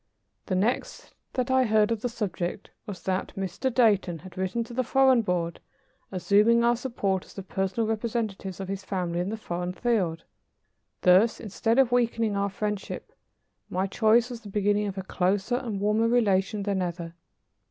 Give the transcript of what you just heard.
The next that I heard of the subject was that Mr. Dayton had written to the Foreign Board, assuming our support as the personal representatives of his family in the foreign field. Thus, instead of weakening our friendship, my choice was the beginning of a closer and warmer relation than ever.